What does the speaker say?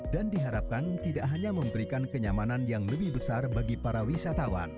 diharapkan tidak hanya memberikan kenyamanan yang lebih besar bagi para wisatawan